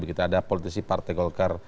ada politisi partai golkar